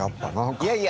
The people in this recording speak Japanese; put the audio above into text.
いやいや。